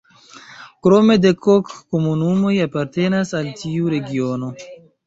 Krome dek-ok komunumoj apartenas al tiu regiono.